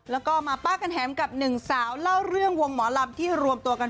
แล้วก็มาป้ากันแถมกับหนึ่งสาวเล่าเรื่องวงหมอลำที่รวมตัวกัน